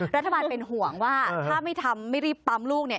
รัฐบาลเป็นห่วงว่าถ้าไม่ทำไม่รีบปั๊มลูกเนี่ย